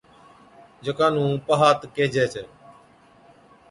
جڪا نُون پَھات ڪيجھي ڇَي